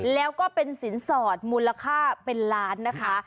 แล้วก็เป็นสินสอดมูลค่าเป็นล้านนะคะ